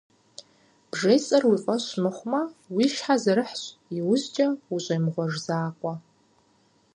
Бжесӏэр уи фӏэщ мыхъумэ, уи щхьэ зэрыхьщ, иужькӏэ ущӏемыгъуэж закъуэ.